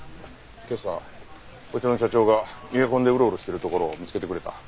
今朝こちらの所長が逃げ込んでウロウロしているところを見つけてくれた。